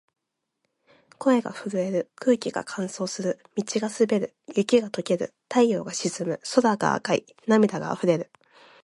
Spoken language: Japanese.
声が震える。空気が乾燥する。道が滑る。雪が解ける。太陽が沈む。空が赤い。涙が溢れる。